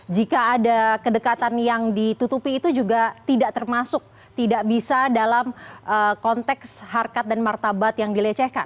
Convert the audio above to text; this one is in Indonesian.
jika ada kedekatan yang ditutupi itu juga tidak termasuk tidak bisa dalam konteks harkat dan martabat yang dilecehkan